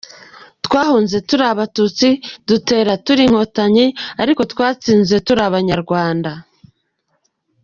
Twahunze turi abatutsi, dutera turi inkotanyi ariko twatsinze turi abanyarwanda.